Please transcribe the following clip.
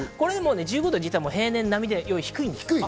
１５度ぐらいは平年並みより低いです。